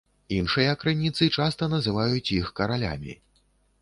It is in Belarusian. Іншыя крыніцы часта называюць іх каралямі.